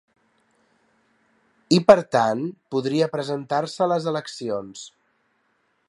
I, per tant, podria presentar-se a les eleccions.